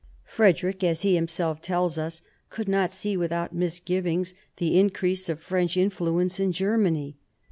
Frederick, as he himself tells us, could not see without misgivings the increase of French influence in Germany.